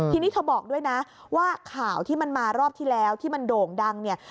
ทีนี้เธอบอกด้วยนะว่าข่าวที่มันมารอบที่แล้วที่มันโด่งดังเนี่ย